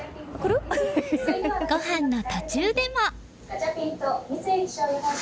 ごはんの途中でも。